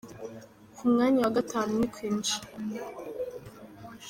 Ku mwanya wa Gatanu ni Queen Cha.